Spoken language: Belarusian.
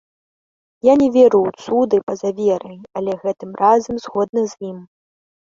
Я не веру ў цуды па-за верай, але гэтым разам згодны з ім.